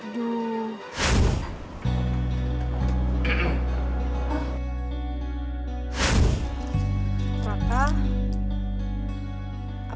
gua ngerjain dia